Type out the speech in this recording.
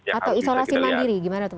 atau isolasi mandiri gimana pak alex